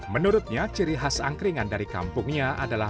menurutnya ciri khas angkringan dari kampungnya adalah